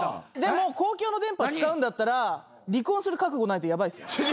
でも公共の電波使うんだったら離婚する覚悟ないとヤバいですよ。